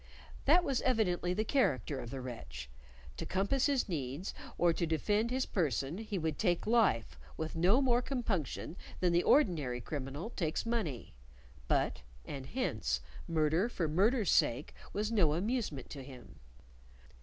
That was evidently the character of the wretch: to compass his ends or to defend his person he would take life with no more compunction than the ordinary criminal takes money; but (and hence) murder for murder's sake was no amusement to him.